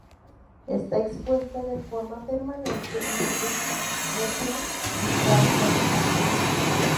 Está expuesta de forma permanente en el Rijksmuseum de Ámsterdam.